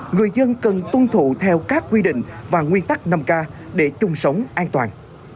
người dân cần tuân thu theo các quy tình và nguyên tắc năm k để chung sống an toàn